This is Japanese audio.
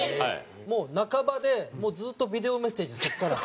もう半ばでずっとビデオメッセージそこから。